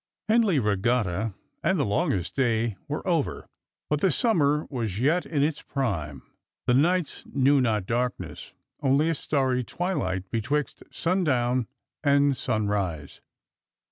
Henley regatta and the longest day were over, but the sum mer was yet in its prime — the nights knew not darkness, only a etarry twilight betwixt sundown and sunrise.